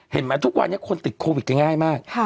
เห็นมั้ยทุกวันนี้คนติดโควิดง่ายมาก